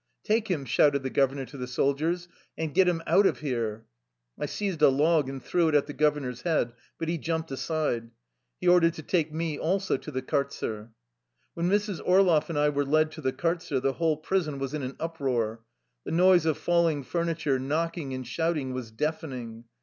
" Take him," shouted the governor to the sol diers, " and get him out of here." I seized a log and threw it at the governor's head, but he jumped aside. He ordered to take me also to the kartzer. When Mrs. Orloff and I were led to the kart zer the whole prison was in an uproar. The noise of falling furniture, knocking, and shout ing was deafening.